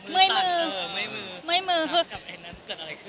มื้อตังค์ใช่ะไอมี่สำหรับอะไรขึ้นนะครับ